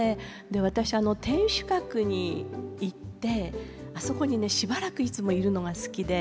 私天守閣に行ってあそこにねしばらくいつもいるのが好きで。